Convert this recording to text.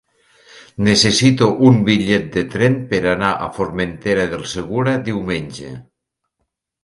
Necessito un bitllet de tren per anar a Formentera del Segura diumenge.